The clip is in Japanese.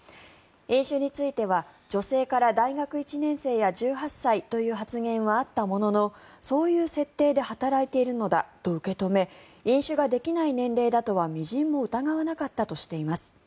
飲酒については女性から大学１年生や１８歳という発言はあったもののそういう設定で働いているのだと受け止め飲酒ができない年齢だとはみじんも疑わなかったとしています。